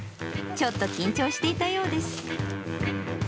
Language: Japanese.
ちょっと緊張していたようです。